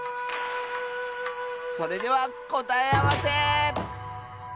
それではこたえあわせ！